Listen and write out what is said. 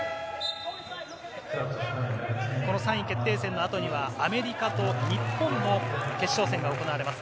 この３位決定戦の後にはアメリカと日本の決勝戦が行われます。